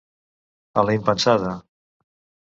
A la impensada.